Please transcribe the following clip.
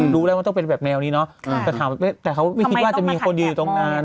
รู้แล้วว่าต้องเป็นแบบแมวนี้เนาะแต่เขาไม่คิดว่าจะมีคนดีอยู่ตรงนั้น